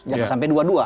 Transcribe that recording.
jangan sampai dua dua